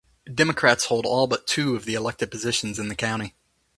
Democrats hold all but two of the elected positions in the county.